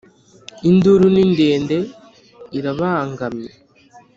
Induru ni ndende irabangamye